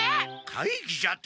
会議じゃと？